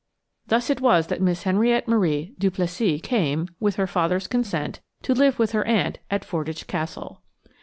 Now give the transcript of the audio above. Thus it was that Miss Henriette Marie Duplessis came, with her father's consent, to live with her aunt at Fordwych Castle.